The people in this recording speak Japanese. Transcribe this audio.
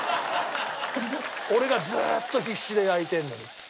俺がずーっと必死で焼いてるのに。